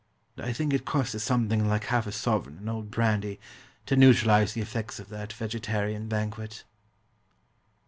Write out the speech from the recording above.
And I think it cost us something like half a sovereign in old brandy to neutralise the effects of that vegetarian banquet.